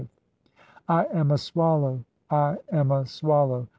H7 "I am a swallow, I am a swallow.